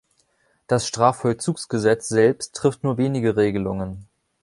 Das Strafvollzugsgesetz selbst trifft nur wenige Regelungen.